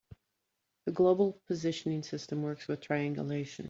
The global positioning system works with triangulation.